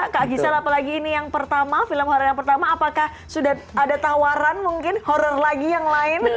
kak gisela apalagi ini yang pertama film horror yang pertama apakah sudah ada tawaran mungkin horror lagi yang lain